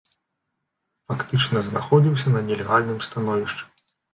Фактычна знаходзіўся на нелегальным становішчы.